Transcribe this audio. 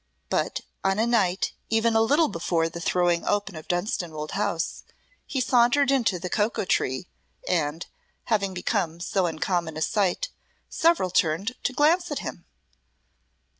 But on a night even a little before the throwing open of Dunstanwolde House, he sauntered into the Cocoa Tree and, having become so uncommon a sight, several turned to glance at him.